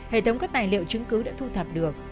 hệ thống các tài liệu chứng cứ đã thu thập được